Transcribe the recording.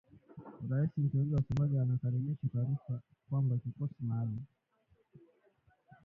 Rais mteule wa Somalia anakaribisha taarifa kwamba kikosi maalum